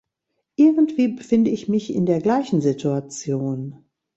Irgendwie befinde ich mich in der gleichen Situation.